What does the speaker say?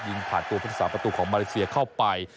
ยิงผ่านตัวประสานประตูของมาเลเซียเข้าไป